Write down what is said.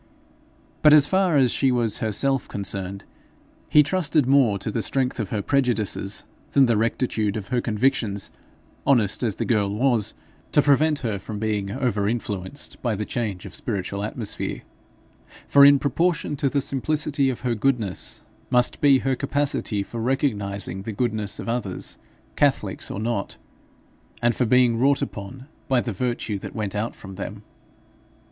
But as far as she was herself concerned, he trusted more to the strength of her prejudices than the rectitude of her convictions, honest as the girl was, to prevent her from being over influenced by the change of spiritual atmosphere; for in proportion to the simplicity of her goodness must be her capacity for recognizing the goodness of others, catholics or not, and for being wrought upon by the virtue that went out from them.